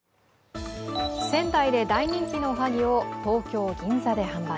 仙台で大人気のおはぎを東京・銀座で販売。